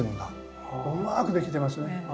うまくできてますね。